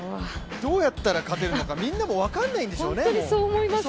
どうやったら勝てるのかみんなも分からないんでしょうね。